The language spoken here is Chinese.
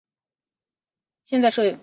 现在设有高中部普通科。